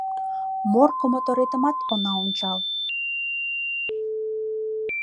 Морко моторетымат она ончал.